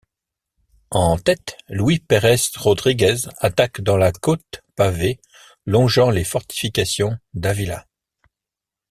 En tête, Luis Perez Rodriguez attaque dans la côte pavée longeant les fortifications d'Ávila.